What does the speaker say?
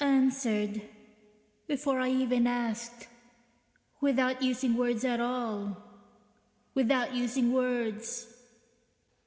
(Answered ... before I even asked ... without using words at all ... without using words....)